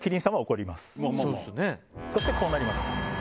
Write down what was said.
そしてこうなります。